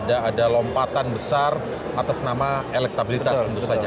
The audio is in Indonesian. ada lompatan besar atas nama elektabilitas tentu saja